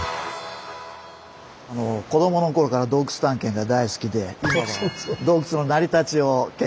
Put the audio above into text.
子どもの頃から洞窟探検が大好きで今は洞窟の成り立ちを研究しております。